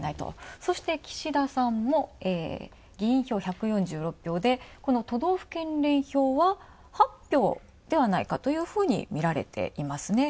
そして、岸田さんも議員票１４６票で都道府県連票は８票ではないかというふうにみられていますね。